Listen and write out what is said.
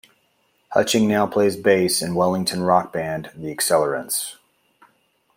Hutching now plays bass in Wellington rock band The Accelerants.